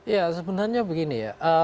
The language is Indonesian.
ya sebenarnya begini ya